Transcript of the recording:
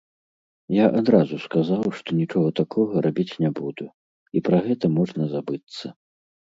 Я адразу сказаў, што нічога такога рабіць не буду і пра гэта можна забыцца.